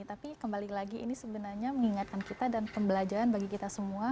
tapi kembali lagi ini sebenarnya mengingatkan kita dan pembelajaran bagi kita semua